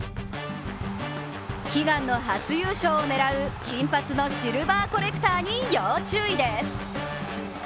悲願の初優勝を狙う金髪のシルバーコレクターに要注意です。